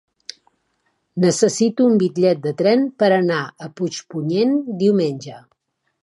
Necessito un bitllet de tren per anar a Puigpunyent diumenge.